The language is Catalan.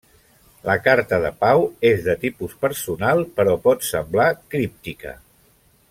La carta de Pau és de tipus personal però pot semblar críptica.